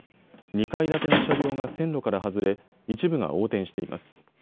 ２階建ての車両が線路から外れ一部が横転しています。